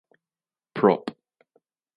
Prop.